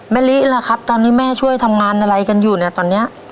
ลิล่ะครับตอนนี้แม่ช่วยทำงานอะไรกันอยู่เนี่ยตอนนี้